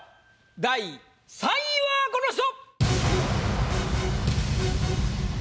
第３位はこの人！